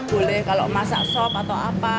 boleh kalau masak sop atau apa